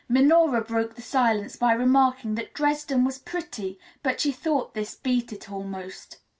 Minora broke the silence by remarking that Dresden was pretty, but she thought this beat it almost.